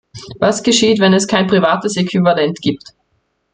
Was geschieht, wenn es kein privates Äquivalent gibt?